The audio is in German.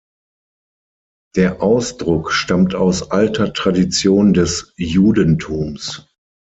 Der Ausdruck stammt aus alter Tradition des Judentums.